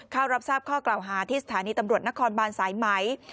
เข้ารับทราบข้อกล่าวหาที่สถานีตำรวจนครบานสายไหม